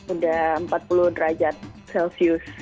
udah empat puluh derajat celcius